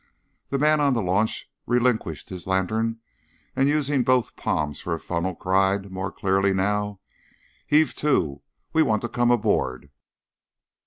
The man on the launch relinquished his lantern, and using both palms for a funnel, cried, more clearly now: "Heave to! We want to come aboard."